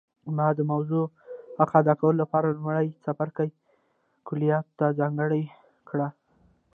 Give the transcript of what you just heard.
ما د موضوع حق ادا کولو لپاره لومړی څپرکی کلیاتو ته ځانګړی کړ